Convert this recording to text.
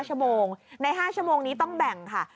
ชั่วโมงใน๕ชั่วโมงนี้ต้องแบ่งค่ะ